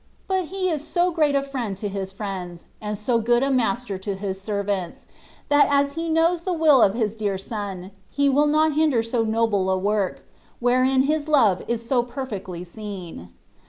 But He is so great a friend to His friends, and so good a Master to His servants, that as He knows the will of His dear Son, He will not hinder so noble a work, wherein His love is so perfectly seen.